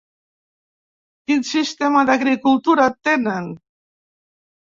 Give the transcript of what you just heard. Quin sistema d'agricultura tenen?